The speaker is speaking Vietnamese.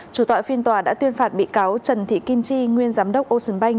chủ tọa phiên tòa đã tuyên phạt bị cáo trần thị kim chi nguyên giám đốc ocean bank